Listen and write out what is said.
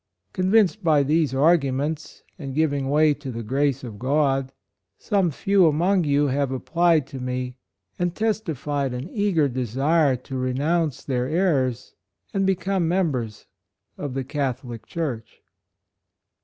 Convinced by these arguments, and giving way to the grace of God, some few among you have applied to me, and testified an eager de sire to renounce their errors and become members of the Catholic Church."